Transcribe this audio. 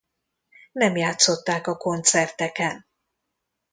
Nem játszották a koncerteken.